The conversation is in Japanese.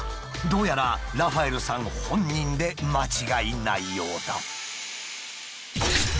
どうやらラファエルさん本人で間違いないようだ。